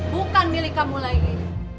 bukan milik kamu lagi